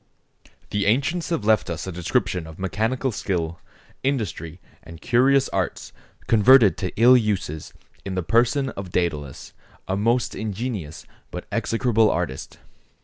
The ancients have left us a description of mechanical skill, industry, and curious arts converted to ill uses, in the person of Dædalus, a most ingenious but execrable artist.